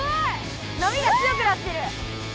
なみが強くなってる！わ！